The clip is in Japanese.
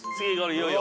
いよいよ。